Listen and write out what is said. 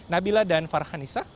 nabila dan farhanisa